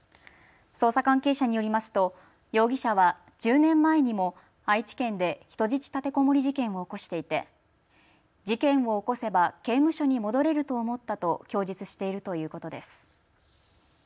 捜査関係者によりますと容疑者は１０年前にも愛知県で人質立てこもり事件を起こしていて事件を起こせば刑務所に戻れると思ったと供述しているということです。